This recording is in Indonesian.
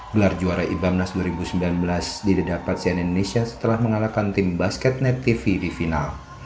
gelar juara ibangnas dua ribu sembilan belas didapat siena indonesia setelah mengalahkan tim basketnet tv di final